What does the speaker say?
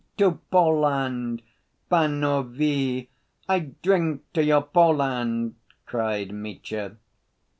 "To Poland, panovie, I drink to your Poland!" cried Mitya.